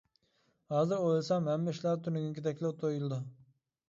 -ھازىر ئويلىسام ھەممە ئىشلار تۈنۈگۈنكىدەكلا تۇيۇلىدۇ.